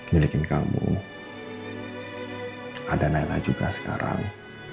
milikin kamu ada naina juga sekarang